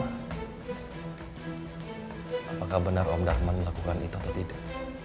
apakah benar om darman melakukan itu atau tidak